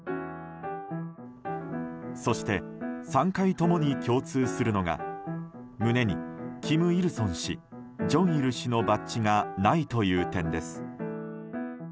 そして、３回ともに共通するのが胸に金日成氏、正日氏のバッジがないという点です。